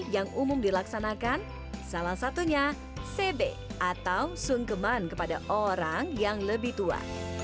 yang umum dilaksanakan salah satunya cb atau sungkeman kepada orang yang lebih tua